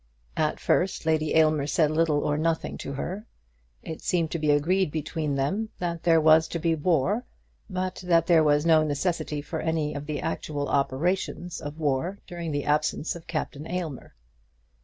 At first Lady Aylmer said little or nothing to her. It seemed to be agreed between them that there was to be war, but that there was no necessity for any of the actual operations of war during the absence of Captain Aylmer.